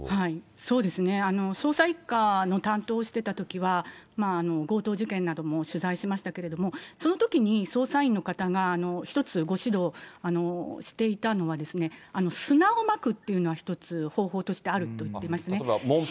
そうですね、捜査１課の担当をしてたときは、強盗事件なども取材しましたけれども、そのときに捜査員の方が１つ、ご指導していたのはですね、砂をまくっていうのが１つ、方法としてあると。